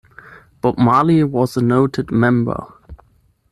Bob Marley was a noted member.